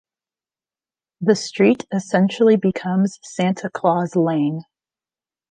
The street essentially becomes Santa Claus Lane.